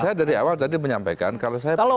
saya dari awal tadi menyampaikan kalau saya